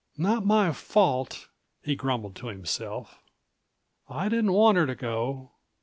"Not my fault," he grumbled to himself. "I didn't want her to go.